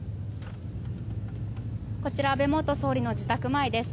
こちら安倍元総理の自宅前です。